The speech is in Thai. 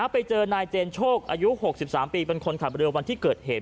ไปเจอนายเจนโชคอายุ๖๓ปีเป็นคนขับเรือวันที่เกิดเหตุ